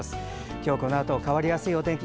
今日、このあと変わりやすいお天気。